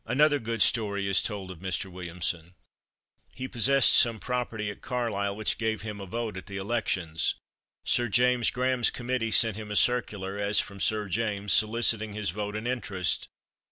Another good story is told of Mr. Williamson. He possessed some property at Carlisle which gave him a vote at the elections. Sir James Graham's committee sent him a circular, as from Sir James, soliciting his vote and interest.